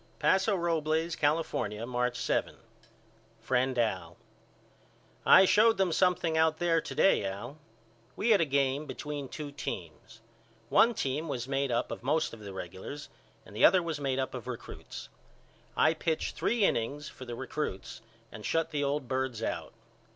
Paso Robles, California, March 7. FRIEND AL: I showed them something out there to day Al. We had a game between two teams. One team was made up of most of the regulars and the other was made up of recruts. I pitched three innings for the recruts and shut the old birds out.